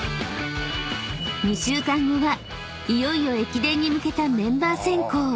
［２週間後はいよいよ駅伝に向けたメンバー選考］